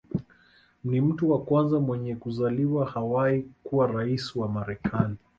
Ni mtu wa kwanza mwenye kuzaliwa Hawaii kuwa rais wa Marekani